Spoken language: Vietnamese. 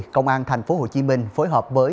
công an thành phố hồ chí minh phối hợp với